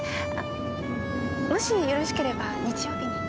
もしよろしければ日曜日に。